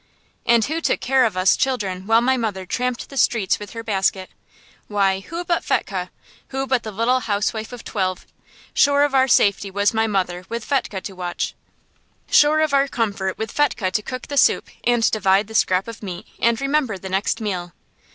And who took care of us children while my mother tramped the streets with her basket? Why, who but Fetchke? Who but the little housewife of twelve? Sure of our safety was my mother with Fetchke to watch; sure of our comfort with Fetchke to cook the soup and divide the scrap of meat and remember the next meal.